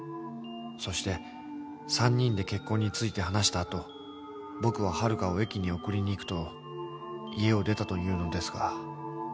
［そして３人で結婚について話した後僕ははるかを駅に送りに行くと家を出たというのですが］